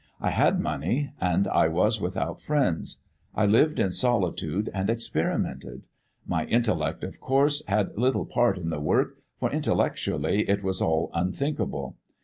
I had money, and I was without friends. I lived in solitude and experimented. My intellect, of course, had little part in the work, for intellectually it was all unthinkable.